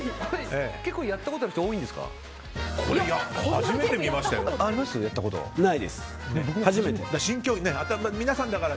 結構やったことある人多いんですか？